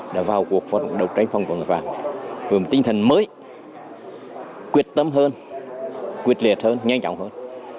đã vào cuộc đấu tranh phòng vận tài khoản với một tinh thần mới quyết tâm hơn quyết liệt hơn nhanh chóng hơn